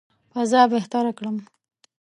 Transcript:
فضا بهتره کړم.